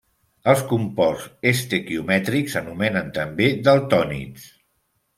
Els composts estequiomètrics s'anomenen també daltònids.